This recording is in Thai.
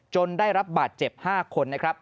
ได้รับบาดเจ็บ๕คนนะครับ